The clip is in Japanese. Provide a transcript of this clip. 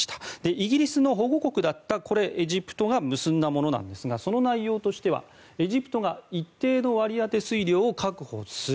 イギリスの保護国だったエジプトが結んだものなんですがその内容としては、エジプトが一定の割り当て水量を確保する。